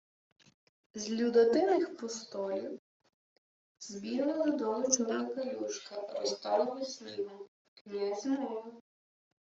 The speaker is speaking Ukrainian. З Людотиних постолів збігла додолу чорна калюжка розталого снігу. Князь мовив: